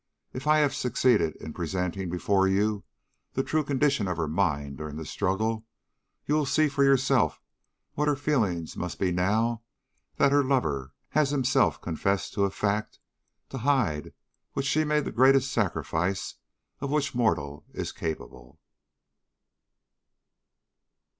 If I have been successful in presenting before you the true condition of her mind during this struggle, you will see for yourself what her feelings must be now that her lover has himself confessed to a fact, to hide which she made the greatest sacrifice of which mortal is capable."